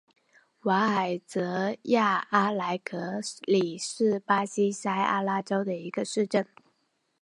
瓦尔泽亚阿莱格里是巴西塞阿拉州的一个市镇。